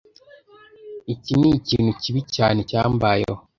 Iki nikintu kibi cyane cyambayeho!